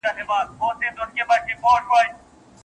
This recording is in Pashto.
خلوت پر شخصيت د عبادت له مينې ژاړي